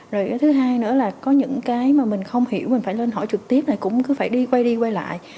rồi cái thứ hai nữa là có những cái mà mình không hiểu mình phải lên hỏi trực tiếp này cũng cứ phải đi quay đi quay lại